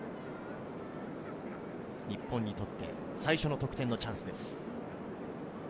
日本にとって最初の得点のチャンスです。